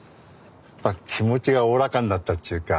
気持ちがおおらかになったちゅうか。